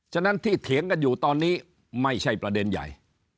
ฉะนั้นที่เถียงกันอยู่ตอนนี้ไม่ใช่ประเด็นใหญ่